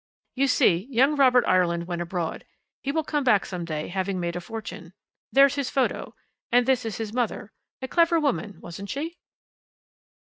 "You see, young Robert Ireland went abroad, he will come back some day having made a fortune. There's his photo. And this is his mother a clever woman, wasn't she?"